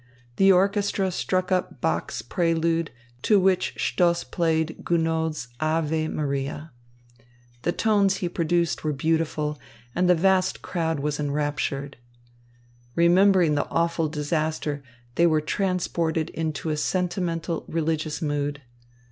The orchestra struck up Bach's "Prelude," to which Stoss played Gounod's "Ave Maria." The tones he produced were beautiful, and the vast crowd was enraptured. Remembering the awful disaster, they were transported into a sentimental, religious mood.